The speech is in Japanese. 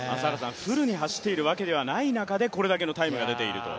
フルに走っているわけではない中で、これだけのタイムが出ていると。